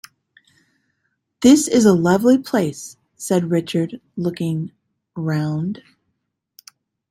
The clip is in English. "This is a lovely place," said Richard, looking round.